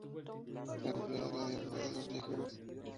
Se emplea en la diarrea de los viajeros.